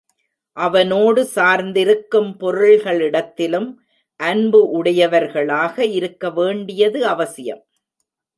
அவனோடு சார்ந்திருக்கும் பொருள்களிடத்திலும் அன்பு உடையவர்களாக இருக்க வேண்டியது அவசியம்.